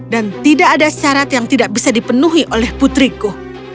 dan tidak ada syarat yang tidak bisa dipenuhi oleh putriku